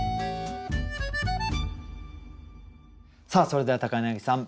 それでは柳さん